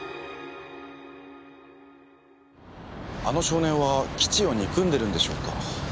あの少年は基地を憎んでるんでしょうか。